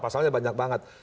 pasalnya banyak banget